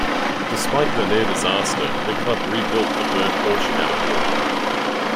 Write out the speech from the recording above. Despite that near-disaster, the club rebuilt the burnt portion out of wood.